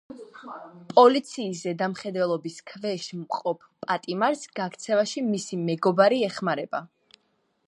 პოლიციის ზედამხედველობის ქვეშ მყოფ პატიმარს გაქცევაში მისი მეგობარი ეხმარება.